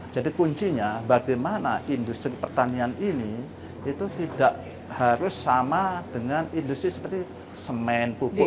jadi kuncinya bagaimana industri pertanian ini itu tidak harus sama dengan industri seperti semen pupuk